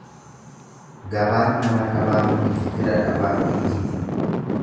Gabaan nama dhabaaf miti fira dhabaaf iyyiti.